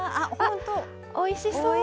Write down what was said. おいしそう。